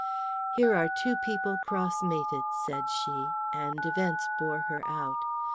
"Here are two people cross mated," said she, and events bore her out.